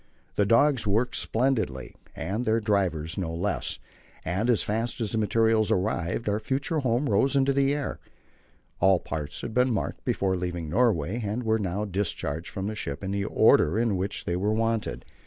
The dogs worked splendidly, and their drivers no less, and as fast as the materials arrived our future home rose into the air. All the parts had been marked before leaving Norway, and were now discharged from the ship in the order in which they were wanted.